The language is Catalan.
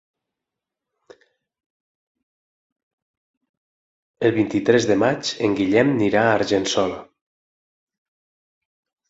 El vint-i-tres de maig en Guillem anirà a Argençola.